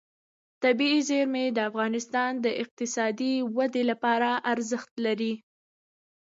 طبیعي زیرمې د افغانستان د اقتصادي ودې لپاره ارزښت لري.